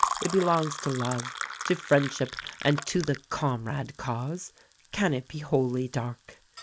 It belongs to Love, to Friendship, and to the Comrade cause. Can it be wholly dark?"